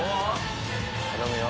頼むよ